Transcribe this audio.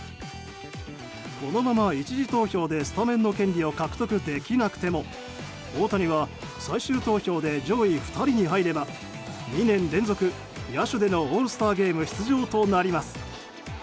このまま１次投票でスタメンの権利を獲得できなくても大谷は最終投票で上位２人に入れば２年連続野手でのオールスターゲーム出場となります。